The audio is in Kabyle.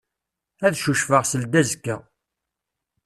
Ad cucfeɣ seldazekka.